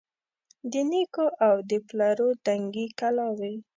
د نیکو او د پلرو دنګي کلاوي